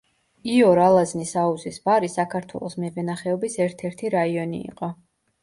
იორ-ალაზნის აუზის ბარი საქართველოს მევენახეობის ერთ-ერთი რაიონი იყო.